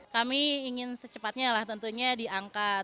kami ingin secepatnya lah tentunya diangkat